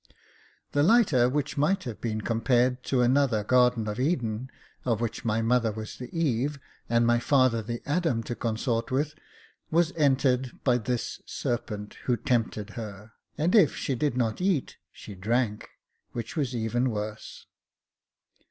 The lighter, which might have been compared to another Garden of Eden, of which my mother was the Eve, and my father the Adam to consort with, was entered by this serpent who tempted her ; and if she did not eat, she drank, which was even worse.